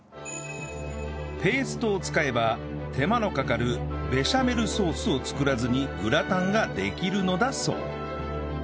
ペーストを使えば手間のかかるベシャメルソースを作らずにグラタンができるのだそう